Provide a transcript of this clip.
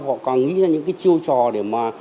và họ càng nghĩ ra những chiêu trò để mà